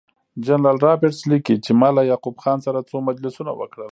جنرال رابرټس لیکي چې ما له یعقوب خان سره څو مجلسونه وکړل.